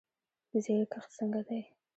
د زیرې کښت څنګه دی؟